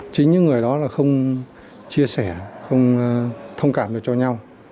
chính những người đó là không chia sẻ không thông cảm được cho nhau